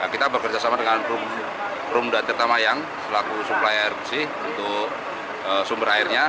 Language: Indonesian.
kita bekerja sama dengan brum dan tirta mayang selaku suplai air bersih untuk sumber airnya